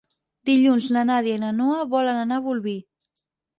Dilluns na Nàdia i na Noa volen anar a Bolvir.